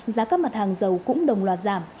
giá các mặt hàng dầu cũng đồng loạt giảm